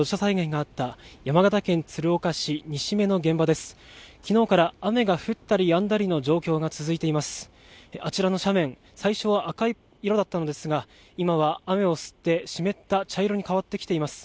あちらの斜面、最初は赤い色だったのですが今は雨を吸って湿った茶色に変わってきています。